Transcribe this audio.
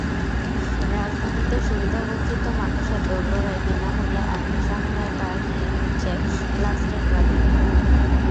রাজধানীতে সুবিধাবঞ্চিত মানুষের দোরগোড়ায় বিনা মূল্যে আইনি সহায়তা নিয়ে ঘুরছে ব্লাস্টের গাড়ি।